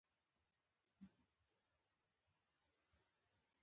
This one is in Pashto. تخت سفر به انارګل او نارنج ګل ته یوسو